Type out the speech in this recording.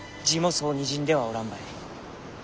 字もそうにじんではおらんばい。